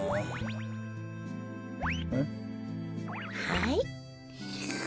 はい。